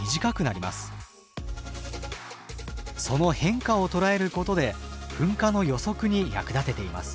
その変化を捉えることで噴火の予測に役立てています。